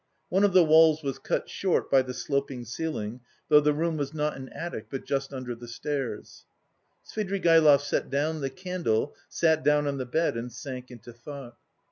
One of the walls was cut short by the sloping ceiling, though the room was not an attic but just under the stairs. Svidrigaïlov set down the candle, sat down on the bed and sank into thought.